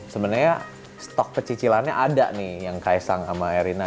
sebenarnya stok kecicilannya ada nih yang kaesang sama erina